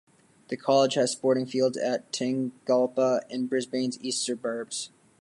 The college has sporting fields at Tingalpa, in Brisbane's east suburbs.